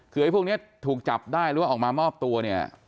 คือไอ้พวกนี้ถูกจับได้หรือว่าออกมามอบตัวเนี่ย